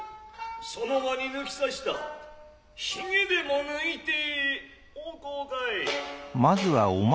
その間に抜きさした髭でも抜いておこうかい。